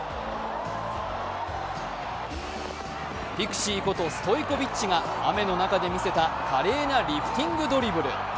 ピクシーことストイコビッチが雨の中で見せた華麗なリフティングドリブル。